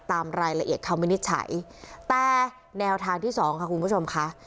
ตามรายละเอียดคำวินิจฉัยแต่แนวทางที่สองค่ะคุณผู้ชมค่ะ